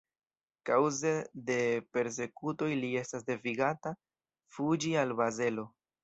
Kaŭze de persekutoj li estas devigata fuĝi al Bazelo.